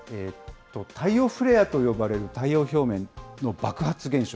太陽フレアと呼ばれる太陽表面の爆発現象。